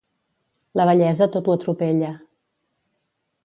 La vellesa tot ho atropella.